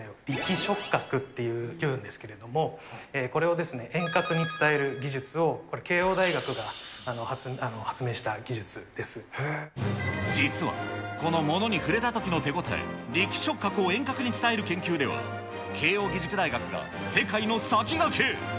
触覚っていうんですけれども、これを遠隔に伝える技術を、これ、慶應大学が発明した技術で実は、この物に触れたときの手応え、力触覚を遠隔に伝える研究では、慶應義塾大学が世界の先駆け。